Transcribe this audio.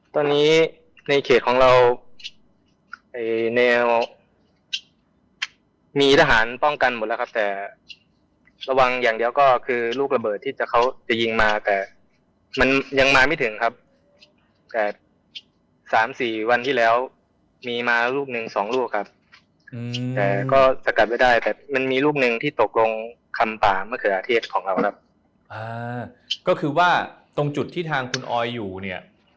ตอนนี้ในเขตของเราไอ้แนวมีทหารป้องกันหมดแล้วครับแต่ระวังอย่างเดียวก็คือลูกระเบิดที่จะเขาจะยิงมาแต่มันยังมาไม่ถึงครับแต่สามสี่วันที่แล้วมีมารูปหนึ่งสองลูกครับแต่ก็สกัดไว้ได้แต่มันมีรูปหนึ่งที่ตกลงคำป่ามะเขือเทศของเราครับอ่าก็คือว่าตรงจุดที่ทางคุณออยอยู่เนี่ย